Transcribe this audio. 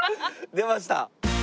出ました！